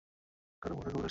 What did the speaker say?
কারো মরার খবর আসছে কী?